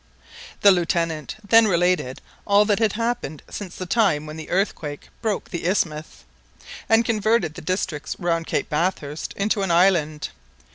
The Lieutenant then related all that had happened since the time when the earthquake broke the isthmus, and converted the districts round Cape Bathurst into an island.